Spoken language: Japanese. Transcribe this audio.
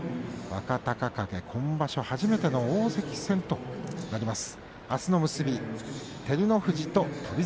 若隆景、今場所初めての大関戦です。